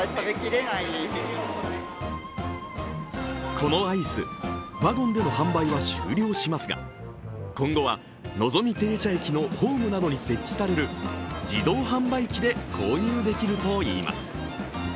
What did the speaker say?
このアイス、ワゴンでの販売は終了しますが今後は、のぞみ停車駅のホームなどに設置される自動販売機で購入できるといいます。